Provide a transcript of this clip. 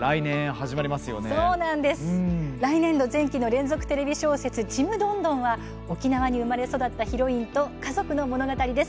来年度前期の連続テレビ小説「ちむどんどん」は沖縄に生まれ育ったヒロインときょうだいたち家族の物語です。